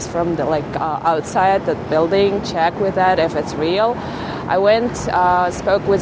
ternyata pengguna dan publik yang tersisa tidak menilai tempat itu